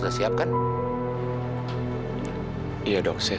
lebih sehat lagi di luar sana